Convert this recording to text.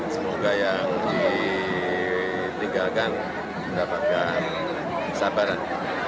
semoga yang ditinggalkan mendapatkan kesabaran